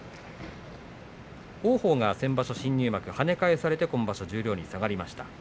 王鵬が先場所、新入幕はね返されて今場所十両に下がりました。